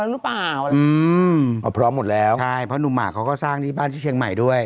อ่ะพร้อมหมดแล้วเขาก็สร้างนี้บ้านที่เชียงใหม่ด้วย